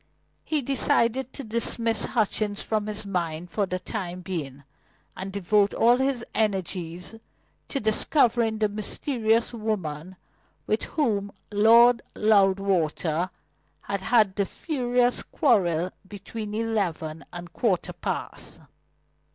He decided to dismiss Hutchings from his mind for the time being, and devote all his energies to discovering the mysterious woman with whom Lord Loudwater had had the furious quarrel between eleven and a quarter past.